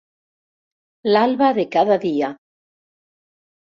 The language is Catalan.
L'alba de cada dia.